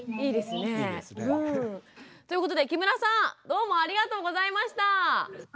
いいですね。ということで木村さんどうもありがとうございました。